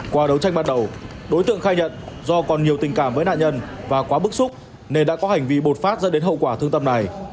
qua đấu tranh bắt đầu đối tượng khai nhận do còn nhiều tình cảm với nạn nhân và quá bức xúc nên đã có hành vi bột phát dẫn đến hậu quả thương tâm này